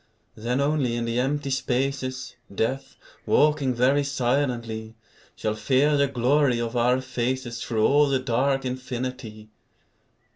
Then only in the empty spaces, Death, walking very silently, Shall fear the glory of our faces Through all the dark infinity.